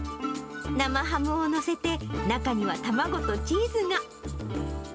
生ハムを載せて、中には卵とチーズが。